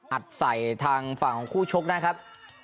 อัดใส่ทางฝั่งของคู่ชกนะครับ